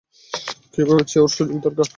কেউ ভেবেছে ওর সুযোগ দরকার।